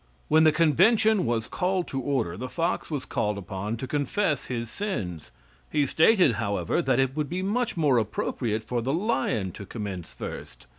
When the convention was called to order the fox was called upon to confess his sins. He stated, however, that it would be much more appropriate for the lion to commence first.